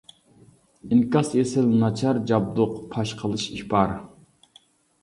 ئىنكاس ئېسىل ناچار جابدۇق پاش قىلىش ئىپار.